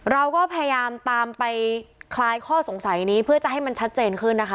เราก็พยายามตามไปคลายข้อสงสัยนี้เพื่อจะให้มันชัดเจนขึ้นนะคะ